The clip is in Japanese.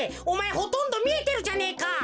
おまえほとんどみえてるじゃねえか。